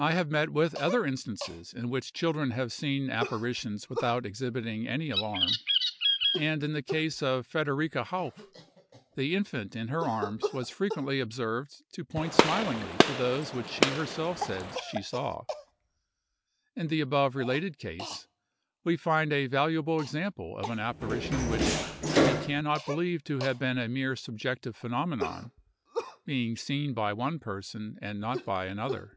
I have met with other instances in which children have seen apparitions without exhibiting any alarm; and in the case of Fredericka Hauffe, the infant in her arms was frequently observed to point smilingly to those which she herself said she saw. In the above related case, we find a valuable example of an apparition which we can not believe to have been a mere subjective phenomenon, being seen by one person and not by another.